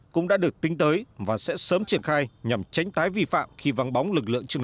cũng đã được tính tới và sẽ sớm triển khai nhằm tránh tái vi phạm khi vắng bóng lực lượng chức năng